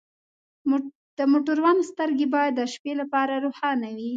د موټروان سترګې باید د شپې لپاره روښانه وي.